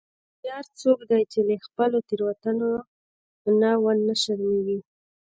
هوښیار څوک دی چې له خپلو تېروتنو نه و نه شرمیږي.